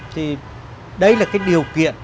thì đây là cái điều kiện